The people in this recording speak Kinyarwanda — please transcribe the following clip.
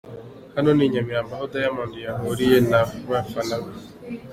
Hano ni i Nyamirambo aho Diamond yahuriye n'abafana be.